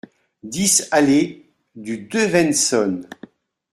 dix allée du Devenson